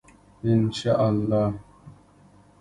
انشاالله.